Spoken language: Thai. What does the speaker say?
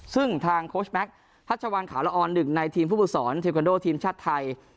ซึ่งทางโคชแม็กซ์ฮัชชาวันขาลออนหนึ่งในทีมภูมิสอนเทคโนโลทีมชาติไทย